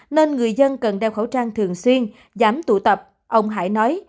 nên người dân cần đeo khẩu trang thường xuyên giảm tụ tập ông hải nói